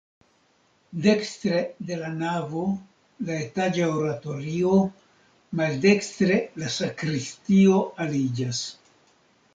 Dekstre de la navo la etaĝa oratorio, maldekstre la sakristio aliĝas.